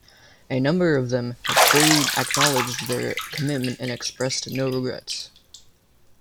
A number of them have fully acknowledged their commitment and expressed no regrets.